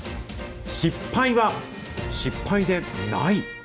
失敗は失敗でない。